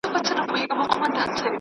فرعونانو له خپلو خویندو سره ودونه کول